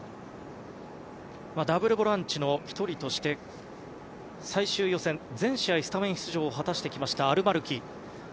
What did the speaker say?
ダブルボランチの１人として最終予選全試合にスタメン出場を果たしてきたアルマルキ。